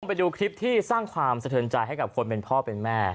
ไปดูคลิปที่สร้างความสะเทินใจให้กับคนเป็นพ่อเป็นแม่